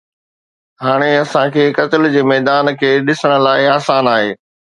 هاڻي اسان کي قتل جي ميدان کي ڏسڻ لاء آسان آهي